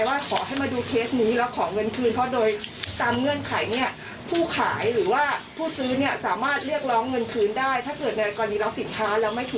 ร้านค้าที่แพ็กเงินพวกเราไปเนี่ยส่วนใหญ่เป็นร้านค้าทั้ง